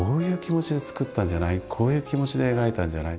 こういう気持ちで描いたんじゃない？